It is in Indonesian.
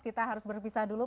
kita harus berpisah dulu